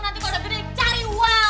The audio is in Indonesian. nanti kalo udah gede cari uang